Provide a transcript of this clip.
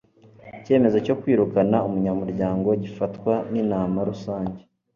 icyemezo cyo kwirukana umunyamuryango, gifatwa n'inama rusange